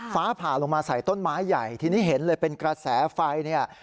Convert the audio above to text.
ฟ้าผ่าลงมาใส่ต้นไม้ใหญ่ทีนี้เห็นเลยเป็นกระแสไฟเนี่ย